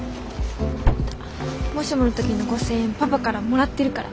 もしもの時の５，０００円パパからもらってるから。